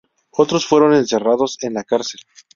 Otros fueron encerrados en la cárcel.